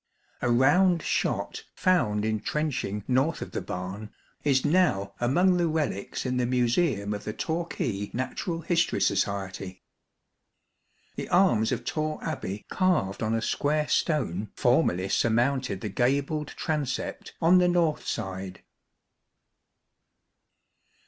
A round shot found in trenching north of the barn, is now among the relics in the Museum of the Torquay Natural History Society. The arms of Torre Abbey carved on a square stone formerly surmounted the gabled transept on the north side.